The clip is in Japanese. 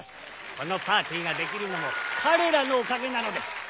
このパーティーができるのも彼らのおかげなのです！